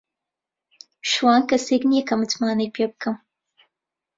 شوان کەسێک نییە کە متمانەی پێ بکەم.